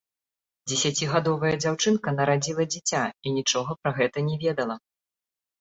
Дзесяцігадовая дзяўчынка нарадзіла дзіця і нічога пра гэта не ведала.